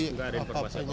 enggak ada informasinya